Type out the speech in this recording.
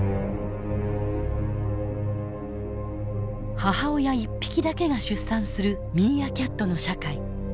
母親１匹だけが出産するミーアキャットの社会。